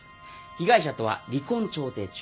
被害者とは離婚調停中。